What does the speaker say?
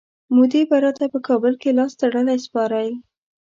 مودي به راته په کابل کي لاستړلی سپارئ.